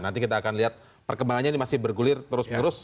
nanti kita akan lihat perkembangannya ini masih bergulir terus menerus